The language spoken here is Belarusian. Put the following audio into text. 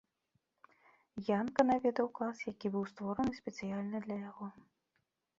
Янка наведваў клас, які быў створаны спецыяльна для яго.